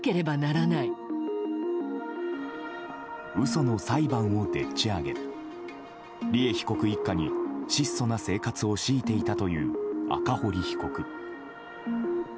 嘘の裁判をでっち上げ利恵被告一家に質素な生活を強いていたという赤堀被告。